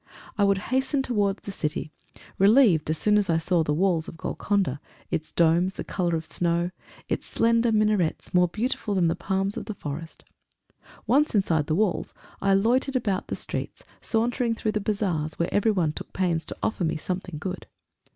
I would hasten towards the city, relieved as soon as I saw the walls of Golconda its domes, the colour of snow its slender minarets, more beautiful than the palms of the forest! Once inside the walls, I loitered about the streets, sauntering through the bazaars, where everyone took pains to offer me something good.